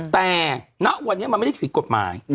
แต่ณวันนี้มันไม่ได้ผิดกฎหมาย